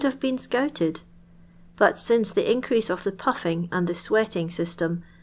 If I 'd ten more since the increase of the pufting and the sweating system.